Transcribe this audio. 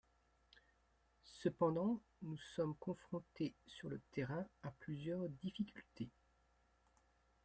Cependant, nous sommes confrontés sur le terrain à plusieurs difficultés.